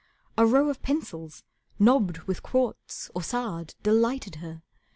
A row of pencils knobbed with quartz or sard Delighted her.